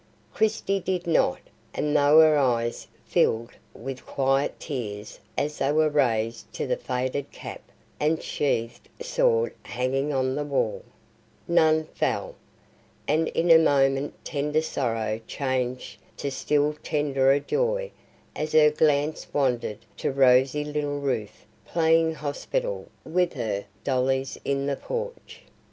Christie did not, and though her eyes filled with quiet tears as they were raised to the faded cap and sheathed sword hanging on the wall, none fell; and in a moment tender sorrow changed to still tenderer joy as her glance wandered to rosy little Ruth playing hospital with her dollies in the porch.